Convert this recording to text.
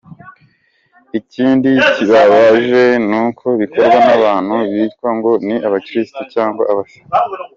Ikindi kibabaje, nuko bikorwa n’abantu bitwa ngo ni abakristu cyangwa abaslamu.